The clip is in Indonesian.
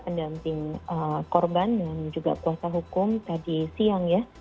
pendamping korban dan juga kuasa hukum tadi siang ya